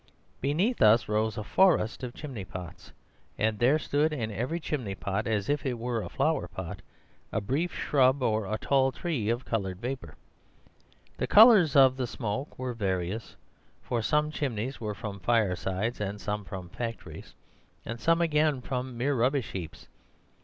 Beneath us rose a forest of chimney pots. And there stood in every chimney pot, as if it were a flower pot, a brief shrub or a tall tree of coloured vapour. The colours of the smoke were various; for some chimneys were from firesides and some from factories, and some again from mere rubbish heaps.